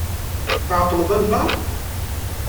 Tɛeqqleḍ albaɛḍ?